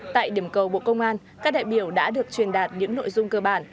tại điểm cầu bộ công an các đại biểu đã được truyền đạt những nội dung cơ bản